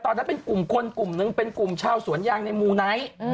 ตอนนั้นเป็นกลุ่มคนกลุ่มนึงเป็นกลุ่มชาวสวนยางในมูไนท์